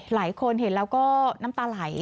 หลายคนเห็นแล้วก็น้ำตาไหล